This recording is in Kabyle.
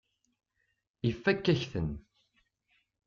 Ifakk-ak-ten.